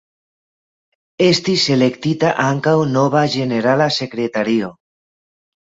Estis elektita ankaŭ nova ĝenerala sekretario.